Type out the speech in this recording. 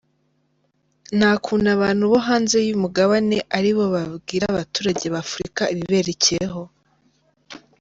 Nta kuntu abantu bo hanze y’umugabane ari bo babwira abaturage ba Afurika ibiberekeyeho.